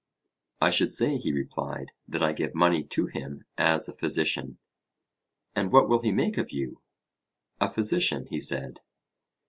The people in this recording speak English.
I should say, he replied, that I gave money to him as a physician. And what will he make of you? A physician, he said.